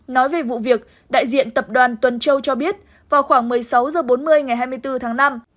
nói về vụ việc đại diện tập đoàn tuần châu cho biết vào khoảng một mươi sáu h bốn mươi ngày hai mươi bốn tháng năm